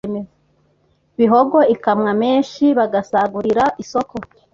Bihogo ikamwa menshi bagsagurira isoko